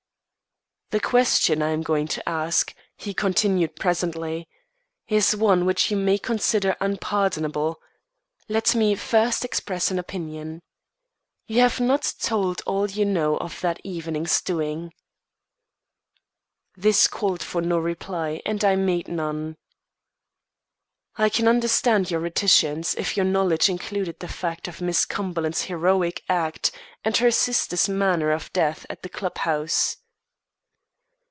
"The question I am going to ask," he continued presently, "is one which you may consider unpardonable. Let me first express an opinion. You have not told all that you know of that evening's doings." This called for no reply and I made none. "I can understand your reticence, if your knowledge included the fact of Miss Cumberland's heroic act and her sister's manner of death at the club house."